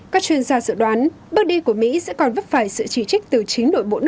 các chuyên gia dự đoán bước đi của mỹ sẽ còn vấp phải sự chỉ trích từ chính đội bộ này